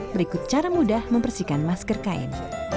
berikut cara mudah membersihkan masker kain